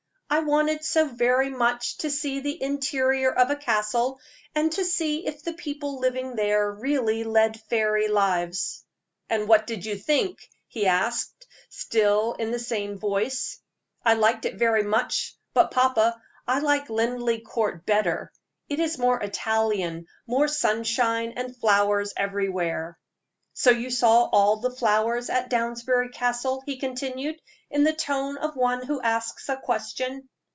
I wanted so very much to see the interior of a castle, and to see if the people living there really led fairy lives." "And what did you think?" he asked, still in the same voice. "I liked it very much; but, papa, I like Linleigh Court better it is more Italian, with sunshine and flowers everywhere." "So you saw all the flowers at Downsbury Castle?" he continued, in the tone of one who asks a question.